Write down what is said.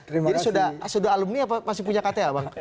jadi sudah alumni apa masih punya kta